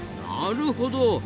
なるほど！